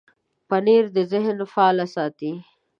پنېر د ذهن فعاله ساتي.